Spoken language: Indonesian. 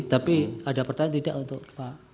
tapi ada pertanyaan tidak untuk pak